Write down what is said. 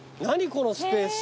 このスペース。